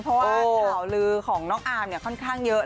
เพราะว่าข่าวลือของน้องอาร์มเนี่ยค่อนข้างเยอะ